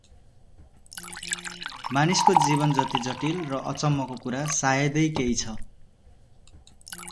मान्छेको जीवन जति जटिल र अचम्मको कुरा सायदै केही छ ।